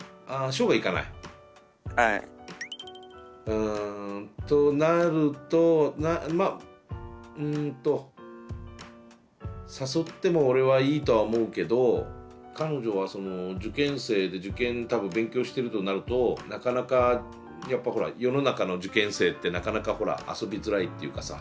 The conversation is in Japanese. うんとなるとまあうんと誘っても俺はいいとは思うけど彼女はその受験生で受験多分勉強してるとなるとなかなかやっぱほら世の中の受験生ってなかなかほら遊びづらいっていうかさ。